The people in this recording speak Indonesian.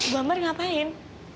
bu ambar ngapain